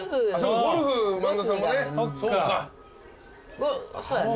ゴルフ萬田さんもね